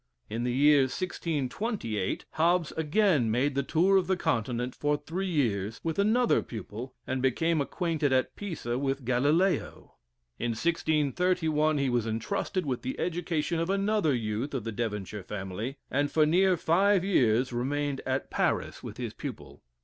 In the year 1628, Hobbes again made the tour of the Continent for three years with another pupil, and became acquainted at Pisa with Galileo. In 1631 he was entrusted with the education of another youth of the Devonshire family, and for near five years remained at Paris with his pupil.